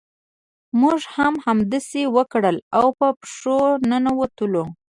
موږ هم همداسې وکړل او په پښو ننوتلو.